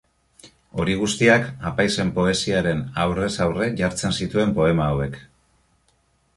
Hori guztiak apaizen poesiaren aurrez aurre jartzen zituen poema hauek.